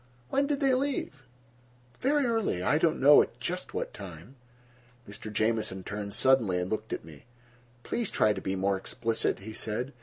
"When did they leave?" "Very early—I don't know at just what time." Mr. Jamieson turned suddenly and looked at me. "Please try to be more explicit," he said.